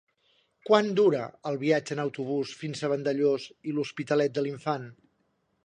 Quant dura el viatge en autobús fins a Vandellòs i l'Hospitalet de l'Infant?